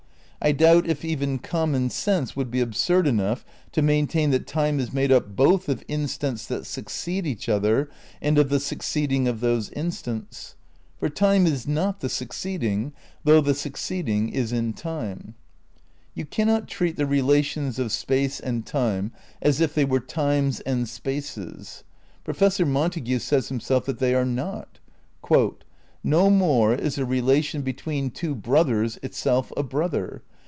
I doubt if even "common sense" would be absurd enough to maintain that "time is made up both of in stants that succeed each other and of the succeeding of those instants ''; for time is not the succeeding, though ■ The Antinomy, p. 247. ^ The same. IV THE CRITICAL PREPARATIONS 147 the succeeding is in time. You cannot treat the rela tions of space and time as if they were times and spaces. Professor Montague says himself that they are not. "No more is a relation between two brothers itself a brother.